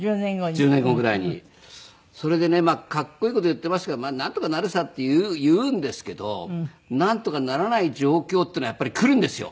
それでねかっこいい事言ってますけどなんとかなるさって言うんですけどなんとかならない状況っていうのはやっぱり来るんですよ。